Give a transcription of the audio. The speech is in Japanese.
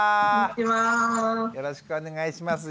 よろしくお願いします。